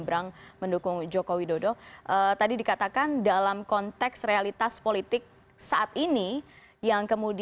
bagaimana kita bisa memastikan pilihan legislatif akan terjadi